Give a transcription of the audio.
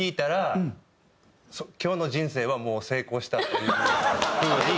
今日の人生はもう成功したっていう風に。